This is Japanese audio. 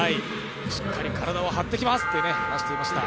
しっかり体を張っていきますと話していました。